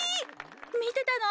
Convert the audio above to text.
みてたの？